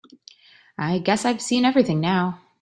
I guess I've seen everything now.